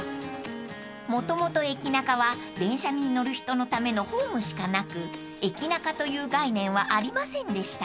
［もともとエキナカは電車に乗る人のためのホームしかなくエキナカという概念はありませんでした］